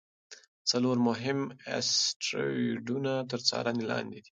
څلور مهم اسټروېډونه تر څارنې لاندې دي.